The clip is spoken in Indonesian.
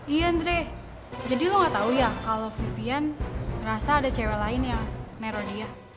iya andre jadi lo gak tau ya kalau vivian ngerasa ada cewek lain yang nero dia